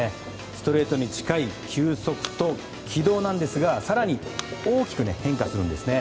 ストレートに近い球速と軌道なんですが更に大きく変化するんですね。